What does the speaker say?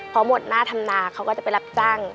พอหมดหน้าทำนาเขาก็จะไปรับจ้าง